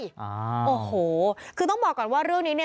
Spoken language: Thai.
โอ้โหคือต้องบอกก่อนว่าเรื่องนี้เนี่ย